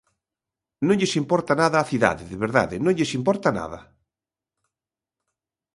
Non lles importa nada a cidade, de verdade, non lles importa nada.